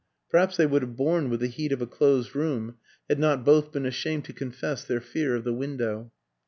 Perhaps they would have borne with the heat of WILLIAM AN ENGLISHMAN 75 a closed room had not both been ashamed to con fess their fear of the window.